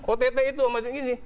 ott itu sama ini